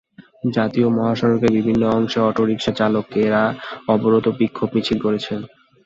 জাতীয় মহাসড়কের বিভিন্ন অংশে অটোরিকশা চালকেরা অবরোধ ও বিক্ষোভ মিছিল করেছেন।